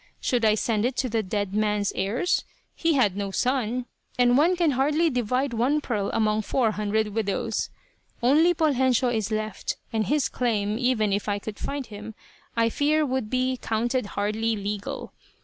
Should I send it to the dead man's heirs? He had no son, and one can hardly divide one pearl among four hundred widows. Only Poljensio is left, and his claim, even if I could find him, I fear would be counted hardly legal.